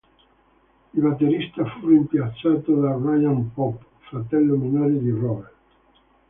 Il batterista fu rimpiazzato da Ryan Pope, fratello minore di Robert.